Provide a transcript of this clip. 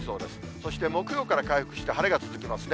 そして木曜から回復して晴れが続きますね。